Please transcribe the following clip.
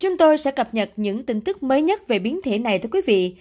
chúng tôi sẽ cập nhật những tin tức mới nhất về biến thể này tới quý vị